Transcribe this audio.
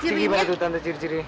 ciri gimana tuh tante ciri cirinya